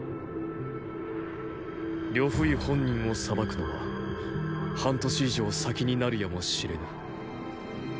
呂不韋本人を裁くのは半年以上先になるやもしれぬ。